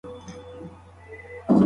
سطحي پوهه ژر له منځه ځي.